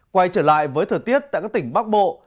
quay trở lại với thời tiết tại các tỉnh bắc bộ